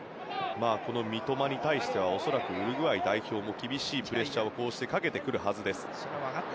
三笘に対してはウルグアイ代表も厳しいプレッシャーをこうしてかけてくるはずです。